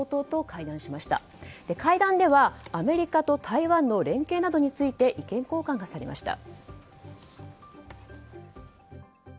会談ではアメリカと台湾の連携などについて意見交換がされました。